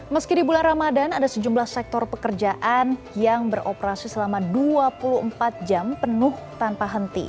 meski di bulan ramadan ada sejumlah sektor pekerjaan yang beroperasi selama dua puluh empat jam penuh tanpa henti